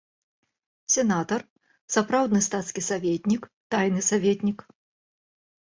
Сенатар, сапраўдны стацкі саветнік, тайны саветнік.